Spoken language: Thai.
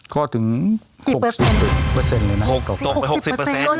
ก็ถึงหกสิบเปอร์เซ็นต์หกสิบเปอร์เซ็นต์เลยนะหกสิบหกสิบเปอร์เซ็นต์